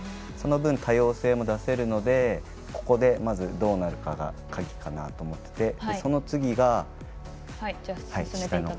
その分、多様性も出せるのでここでどうなるかが鍵かなと思っていて。